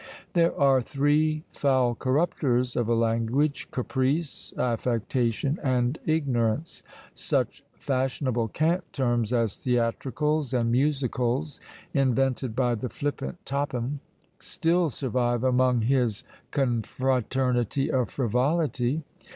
There are three foul corruptors of a language: caprice, affectation, and ignorance! Such fashionable cant terms as "theatricals," and "musicals," invented by the flippant Topham, still survive among his confraternity of frivolity.